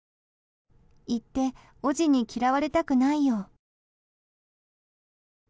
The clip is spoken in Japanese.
言っておぢに嫌われたくないよ。